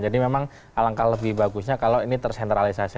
jadi memang alangkah lebih bagusnya kalau ini tersentralisasi